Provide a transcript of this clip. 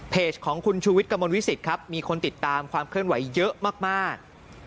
ของคุณชูวิทย์กระมวลวิสิตครับมีคนติดตามความเคลื่อนไหวเยอะมาก